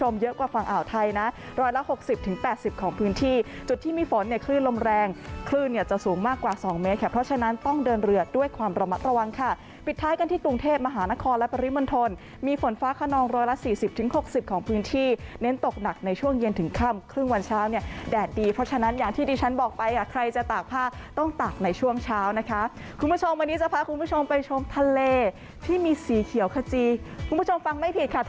เมื่อกันที่กรุงเทพมหานครและปริมณฑลมีฝนฟ้าขนองร้อยละสี่สิบถึงหกสิบของพื้นที่เน้นตกหนักในช่วงเย็นถึงค่ำครึ่งวันเช้าเนี่ยแดดดีเพราะฉะนั้นอย่างที่ดิฉันบอกไปอ่ะใครจะตากผ้าต้องตากในช่วงเช้านะคะคุณผู้ชมวันนี้จะพาคุณผู้ชมไปชมทะเลที่มีสีเขียวขจีคคุณผู้ชมฟังไม่ผิดค่ะ